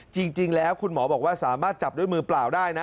จริงแล้วคุณหมอบอกว่าสามารถจับด้วยมือเปล่าได้นะ